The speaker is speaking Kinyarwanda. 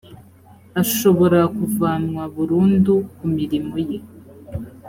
ashobora kuvanwa burundu ku mirimo ye